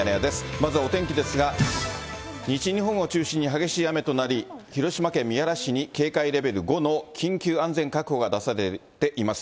まずはお天気ですが、西日本を中心に激しい雨となり、広島県三原市に警戒レベル５の緊急安全確保が出されています。